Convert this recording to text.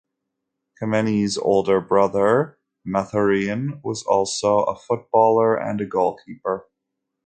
Kameni's older brother, Mathurin, was also a footballer and a goalkeeper.